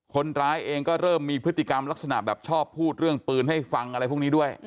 คนร้ายเองก็เริ่มมีพฤติกรรมลักษณะแบบชอบพูดเรื่องปืนให้ฟังอะไรพวกนี้ด้วย